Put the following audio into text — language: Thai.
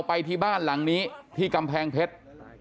ไปที่บ้านหลังนี้ที่กำแพงเพชร